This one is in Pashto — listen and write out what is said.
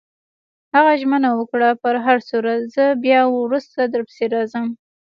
هغه ژمنه وکړه: په هرصورت، زه بیا وروسته درپسې راځم.